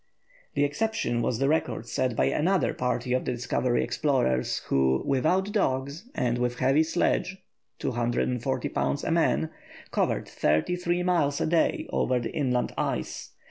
_] The exception was the record set by another party of the Discovery explorers, who, without dogs, and with heavy sledges (240 lbs. a man), covered thirty three miles a day over the inland ice.